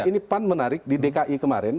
ini pan menarik di dki kemarin